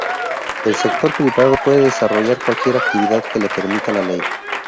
El sector privado puede desarrollar cualquier actividad que le permita la ley.